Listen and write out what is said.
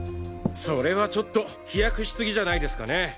それはちょっと飛躍しすぎじゃないですかね？